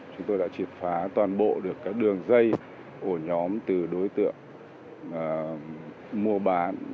chúng tôi đã triệt phá toàn bộ được các đường dây ổ nhóm từ đối tượng mua bán